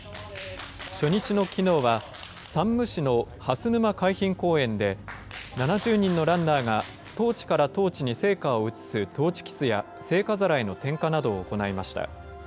初日のきのうは、山武市の蓮沼海浜公園で、７０人のランナーがトーチからトーチに聖火を移すトーチキスや、聖火皿への点火などを行いました。